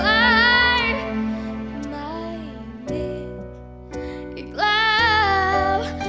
ไม่มายังมีอีกแล้ว